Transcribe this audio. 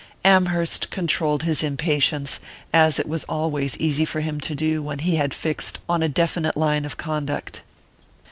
Amherst controlled his impatience, as it was always easy for him to do when he had fixed on a definite line of conduct.